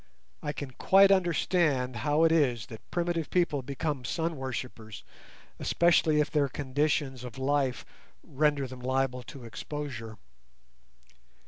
I can quite understand how it is that primitive people become sun worshippers, especially if their conditions of life render them liable to exposure.